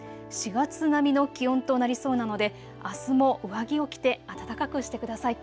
４月並みの気温となりそうなのであすも上着を着て暖かくしてください。